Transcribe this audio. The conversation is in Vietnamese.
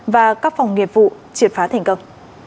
và các phòng nghiệp vụ triệt phá thành công